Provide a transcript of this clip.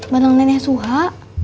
makenang neneh suha